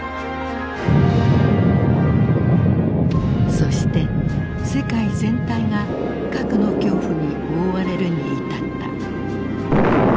そして世界全体が核の恐怖に覆われるに至った。